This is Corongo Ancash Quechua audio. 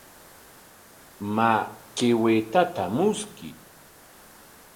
Maa, kay waytata mushkuy.